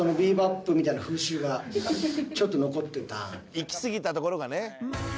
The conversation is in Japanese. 「いきすぎたところがね」